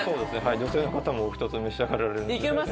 女性の方もお１つ召し上がられます。